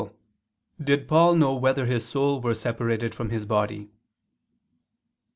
6] Did Paul Know Whether His Soul Were Separated from His Body?